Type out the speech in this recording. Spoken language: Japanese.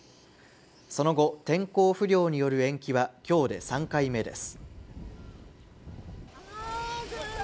その後天候不良による延期は今日で３回目です